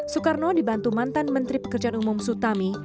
soekarno dibantu mantan menteri pekerjaan umum sutami